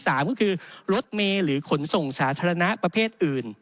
สามก็คือรถเมย์หรือขนส่งสาธารณะประเภทอื่น